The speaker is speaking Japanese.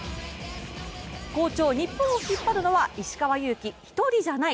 好調日本を引っ張るのは石川祐希１人じゃない。